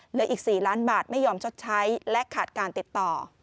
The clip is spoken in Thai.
เหลืออีก๔ล้านบาทไม่ยอมชดใช้และขาดการติดต่อ